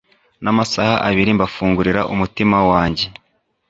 namasaha abiri mbafungurira umutima wanjye